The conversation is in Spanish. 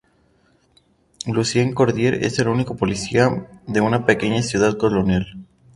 Lucien Cordier es el único policía de una pequeña ciudad colonial.